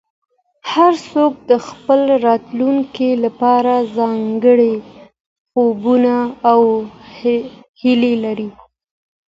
هر څوک د خپل راتلونکي لپاره ځانګړي خوبونه او هیلې لري.